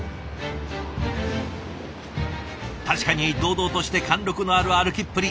確かに堂々として貫禄のある歩きっぷり。